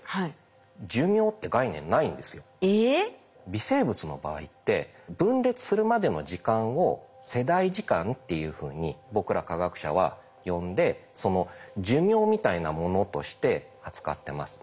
微生物の場合って分裂するまでの時間を世代時間っていうふうに僕ら科学者は呼んで寿命みたいなものとして扱ってます。